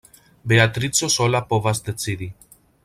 Beatrico sola povas decidi.